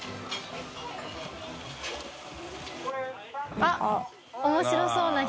あっ面白そうな人。